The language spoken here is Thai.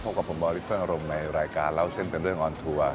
กับผมวาริสเฟิ่งอารมณ์ในรายการเล่าเส้นเป็นเรื่องออนทัวร์